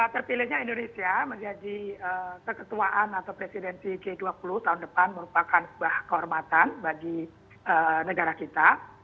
terpilihnya indonesia menjadi keketuaan atau presidensi g dua puluh tahun depan merupakan sebuah kehormatan bagi negara kita